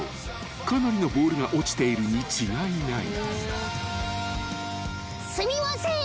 ［かなりのボールが落ちているに違いない］すみません！